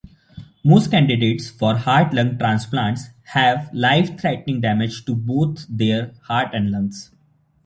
Most candidates for heart-lung transplants have life-threatening damage to both their heart and lungs.